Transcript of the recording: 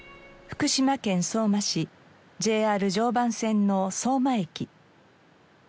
福島県相馬市ＪＲ常磐線の相馬駅。